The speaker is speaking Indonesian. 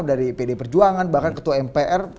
dari pd perjuangan bahkan ketua mpr